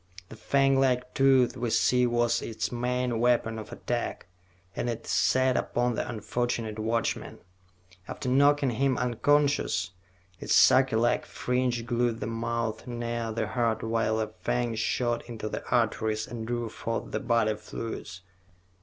The fanglike tooth we see was its main weapon of attack, and it set upon the unfortunate watchman. After knocking him unconscious, its sucker like fringe glued the mouth near the heart while the fang shot into the arteries and drew forth the body fluids.